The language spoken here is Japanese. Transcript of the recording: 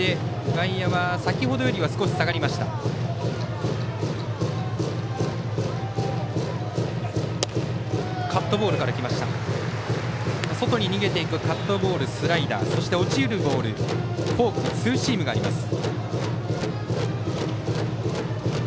外に逃げていくカットボールスライダーそして落ちるボールフォーク、ツーシームがあります。